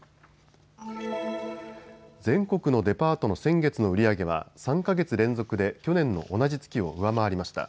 全国のデパートの先月の売り上げは３か月連続で去年の同じ月を上回りました。